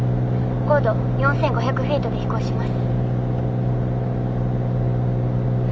高度４，５００フィートで飛行します。